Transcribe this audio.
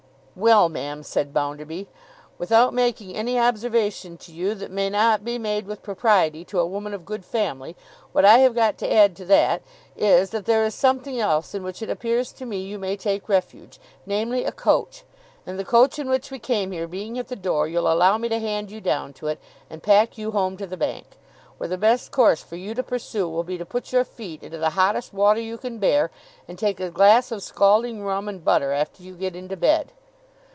'Well, ma'am,' said Bounderby, 'without making any observation to you that may not be made with propriety to a woman of good family, what I have got to add to that, is that there is something else in which it appears to me you may take refuge, namely, a coach. And the coach in which we came here being at the door, you'll allow me to hand you down to it, and pack you home to the Bank: where the best course for you to pursue, will be to put your feet into the hottest water you can bear, and take a glass of scalding rum and butter after you get into bed.